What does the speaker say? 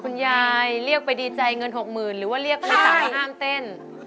คุณยายเรียกไปดีใจเงินหกหมื่นหรือว่าเรียกพี่ตาว่าห้ามต้น